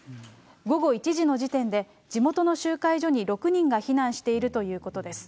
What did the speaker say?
午後１時の時点で、地元の集会所に６人が避難しているということです。